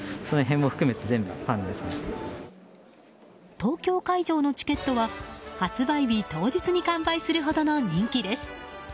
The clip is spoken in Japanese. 東京会場のチケットは発売日当日に完売するほどの人気です。